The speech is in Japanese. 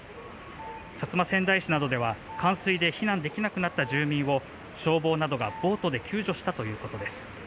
薩摩川内市などでは冠水で避難できなくなった住民を消防などがボートで救助したということです。